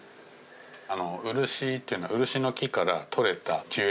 漆というのは漆の木から採れた樹液。